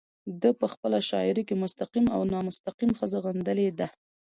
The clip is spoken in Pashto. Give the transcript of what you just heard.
ده په خپله شاعرۍ کې مستقيم او نامستقيم ښځه غندلې ده